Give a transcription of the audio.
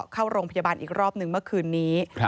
เข้าโรงพยาบาลอีกรอบหนึ่งเมื่อคืนนี้